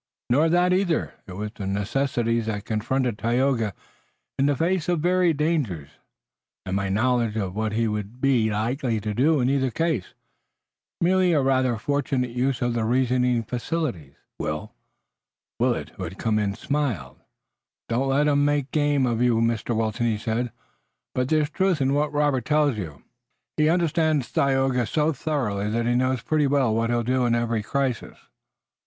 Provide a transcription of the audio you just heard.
"Nor that either. It was the necessities that confronted Tayoga in the face of varied dangers, and my knowledge of what he would be likely to do in either case. Merely a rather fortunate use of the reasoning faculties, Will." Willet, who had come in, smiled. "Don't let 'em make game of you, Mr. Wilton," he said, "but there's truth in what Robert tells you. He understands Tayoga so thoroughly that he knows pretty well what he'll do in every crisis."